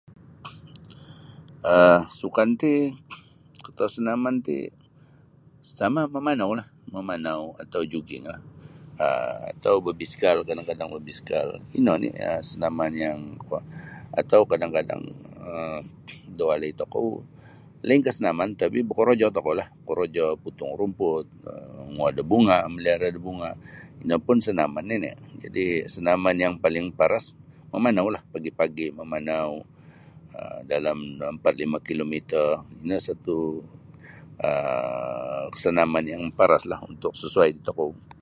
um Sukan ti atau sanaman ti sama mamanaulah mamanau atau juginglah um atau babiskal kadang-kadang babiskal ino oni um sanaman yang kuo atau kadang-kadang um da walai tokou lainkah sanaman tapi bokorojo tokoulah bokorojo potong rumput um monguo mamaliara da bunga ino pun sanaman nini. Jadi sanaman yang maparas mamanau pagi-pagi mamanau dalam ampat atau lima kilometer ino satu um sanaman yang maparaslah untuk sesuai da tokou.